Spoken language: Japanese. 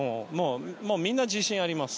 もうみんな自信あります。